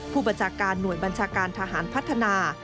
ผู้บัญชาการหน่วยบัญชาการทหารพัฒนา